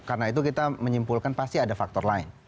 karena itu kita menyimpulkan pasti ada faktor lain